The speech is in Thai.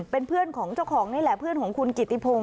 เป็นเพื่อนของเจ้าของนี่แหละเพื่อนของคุณกิติพงศ